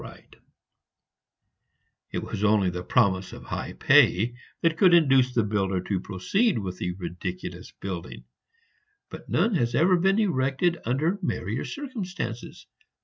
It was only the promise of high pay that could induce the builder to proceed with the ridiculous building; but none has ever been erected under merrier circumstances.